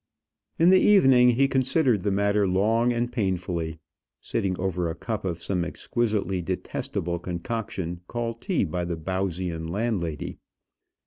In the evening he considered the matter long and painfully, sitting over a cup of some exquisitely detestable concoction called tea by the Bowesian landlady.